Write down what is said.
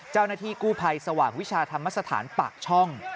เจ้าหน้าที่กู้ภัยสว่างวิชาธรรมสถานปากช่อง